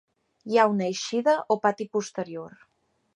Hi ha una eixida o pati posterior.